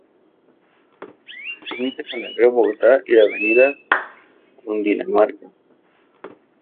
Limita con el río Bogotá y la avenida Cundinamarca.